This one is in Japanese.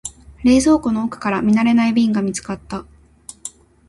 冷蔵庫の奥から見慣れない瓶が見つかった。